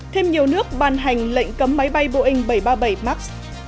thêm nhiều nước ban hành lệnh cấm máy bay boeing bảy trăm ba mươi bảy max